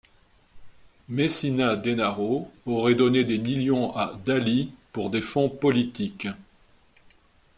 Messina Denaro aurait donné des millions à d'Ali pour des fonds politiques.